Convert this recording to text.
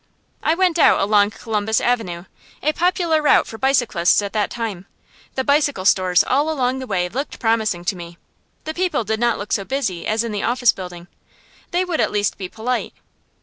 I went out along Columbus Avenue, a popular route for bicyclists at that time. The bicycle stores all along the way looked promising to me. The people did not look so busy as in the office building: they would at least be polite.